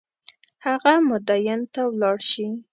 هغه مدین ته ولاړ شي.